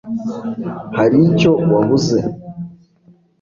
hari icyo wabuze